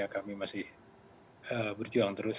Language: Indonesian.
kami masih berjuang terus